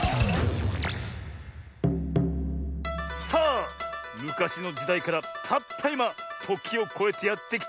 さあむかしのじだいからたったいまときをこえてやってきたこれ。